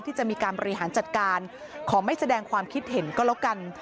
ที่จะมีการบริหารจัดการขอไม่แสดงความคิดเห็นก็แล้วกัน